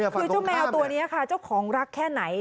คือเจ้าแมวตัวนี้ค่ะเจ้าของรักแค่ไหน